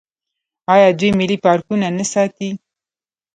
آیا دوی ملي پارکونه نه ساتي؟